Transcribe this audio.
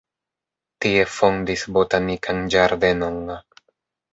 Tie fondis botanikan ĝardenon.